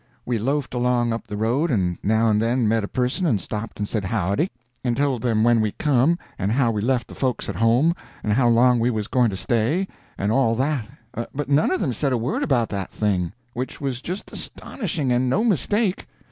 We loafed along up the road, and now and then met a person and stopped and said howdy, and told them when we come, and how we left the folks at home, and how long we was going to stay, and all that, but none of them said a word about that thing; which was just astonishing, and no mistake.